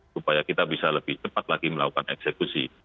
supaya kita bisa lebih cepat lagi melakukan eksekusi